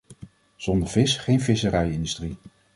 Zonder vis geen visserij-industrie.